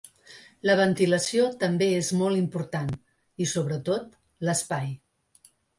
La ventilació també és molt important, i sobretot, l’espai.